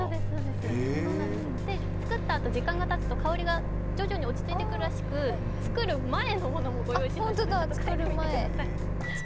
作ったあと、時間がたつと香りが徐々に落ち着いてくるらしく作る前のものもご用意しました。